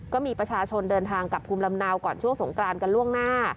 ก็มีประชาชนเดินทางกับภูมิลำเนาก่อนช่วงสงกรานกันล่วงหน้า